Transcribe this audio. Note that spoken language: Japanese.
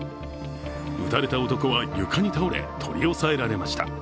撃たれた男は床に倒れ取り押さえられました。